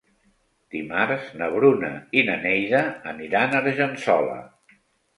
Dimarts na Bruna i na Neida aniran a Argençola.